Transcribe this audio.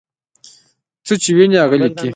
څه چې ویني هغه لیکي.